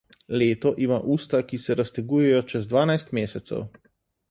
Leto ima usta, ki se raztegujejo čez dvanajst mesecev.